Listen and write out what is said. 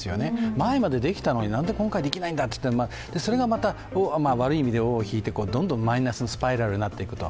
前までできたのになんで今回できないんだってそれがまた、悪い意味で尾を引いてどんどんマイナスにスパイラルになっていくと。